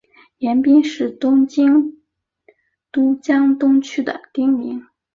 盐滨是东京都江东区的町名。